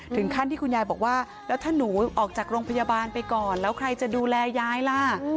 ถึงขั้นที่คุณยายบอกว่าแล้วถ้าหนูออกจากโรงพยาบาลไปก่อนแล้วใครจะดูแลยายล่ะ